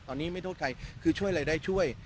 ตอนนี้ไม่โทษใครคือช่วยอะไรได้ช่วย